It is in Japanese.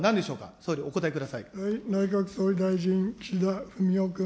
総理、お答えください。